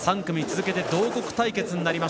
３組続けて同国対決。